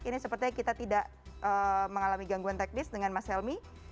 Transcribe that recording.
ini sepertinya kita tidak mengalami gangguan teknis dengan mas helmi